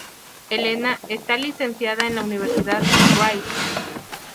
Elena, está licenciada en la universidad Rice.